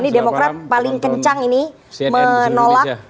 ini demokrat paling kencang ini menolak